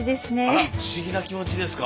あら不思議な気持ちですか？